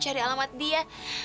cari alamat dia